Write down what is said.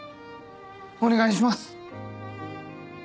お願いします。